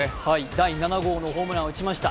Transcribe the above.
第７号のホームランを打ちました。